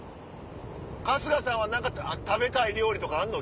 春日さんは食べたい料理とかあんの？